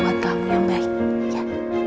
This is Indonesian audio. buat kamu yang baik ya